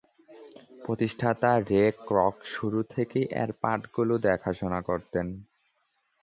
প্রতিষ্ঠাতা Ray Kroc শুরু থেকেই এর পাঠগুলো দেখাশোনা করতেন।